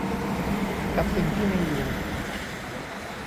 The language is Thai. กับสิ่งที่มีอยู่